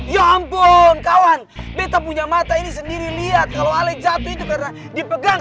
ya ampun kawan beta punya mata ini sendiri lihat kalau ale jatuh itu karena dipegang